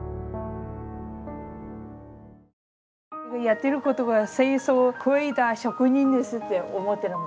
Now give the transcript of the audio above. やってることが清掃を超えた職人ですって思ってる。